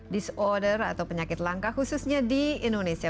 disorder atau penyakit langka khususnya di indonesia